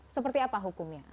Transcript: seperti apa hukumnya